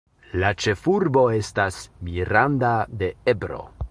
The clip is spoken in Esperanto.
La ĉefurbo estas Miranda de Ebro.